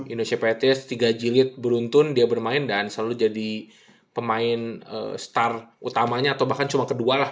indonesia petis tiga jilid beruntun dia bermain dan selalu jadi pemain star utamanya atau bahkan cuma kedua lah